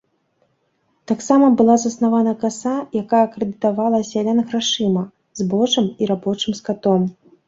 Таксама была заснавана каса, якая крэдытавала сялян грашыма, збожжам і рабочым скатом.